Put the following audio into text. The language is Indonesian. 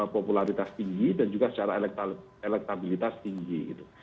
popularitas tinggi dan juga secara elektabilitas tinggi gitu